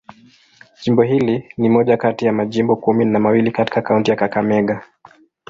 Jimbo hili ni moja kati ya majimbo kumi na mawili katika kaunti ya Kakamega.